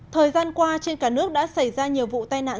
thời gian qua trên cả nước đã xảy ra nhiều vụ tai nạn